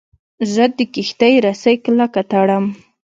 زه د کښتۍ رسۍ کلکه تړم.